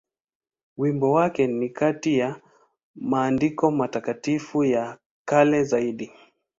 Wimbo wake ni kati ya maandiko matakatifu ya kale zaidi.